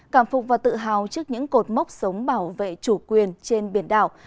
cảm phục và tự hào trước những cột mốc sống bảo vệ chủ quyền trên biển đảo